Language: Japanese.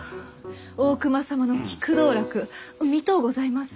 大隈様の菊道楽見とうございます。